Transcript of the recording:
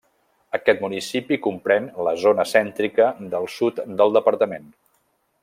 Aquest municipi comprèn la zona cèntrica del sud del departament.